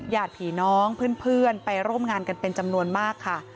ญาติผีน้องเพื่อนไปร่วมงานกันเป็นจำนวนมากค่ะ